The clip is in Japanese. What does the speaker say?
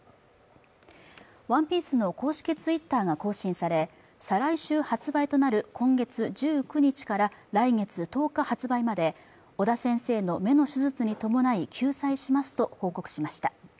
「ＯＮＥＰＩＥＣＥ」の公式Ｔｗｉｔｔｅｒが更新され、再来週発売となる今月１９日から来月１０日発売まで尾田先生の目の手術に伴い休載しますと報告しました。